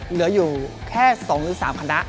เหลืออยู่แค่๒๓คณะ